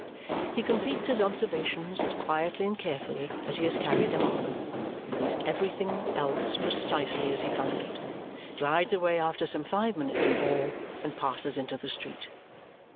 He completes his observations as quietly and carefully as he has carried them on, leaves everything else precisely as he found it, glides away after some five minutes in all, and passes into the street.